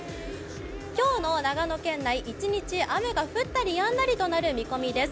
今日の長野県内一日、雨が降ったりやんだりとなる見込みです。